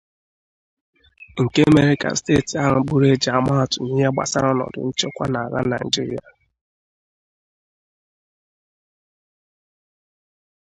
nke mezịrị ka steeti ahụ bụrụ ejiamaatụ n'ihe gbasaara ọnọdụ nchekwa n'ala Nigeria